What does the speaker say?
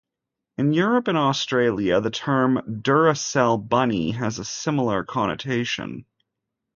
In Europe and Australia the term "Duracell Bunny" has a similar connotation.